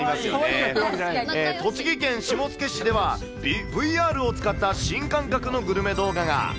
栃木県下野市では、ＶＲを使った新感覚のグルメ動画が。